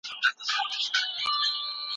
ماشوم مه رټئ.